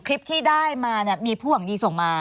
คลิปที่ได้มาเนี่ยมีผู้หวังดีส่งมา